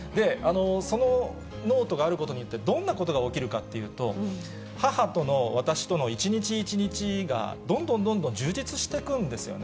そのノートがあることによって、どんなことが起きるかっていうと、母との私との一日一日が、どんどんどんどん充実してくんですよね。